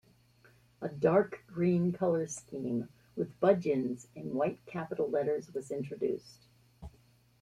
A dark green colour scheme with 'Budgens' in white capital letters was introduced.